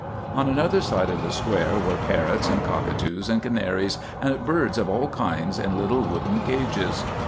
On another side of the square were parrots and cockatoos and canaries and birds of all kinds in little wooden cages.